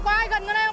có ai gần đây không